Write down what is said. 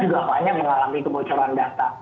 juga banyak mengalami kebocoran data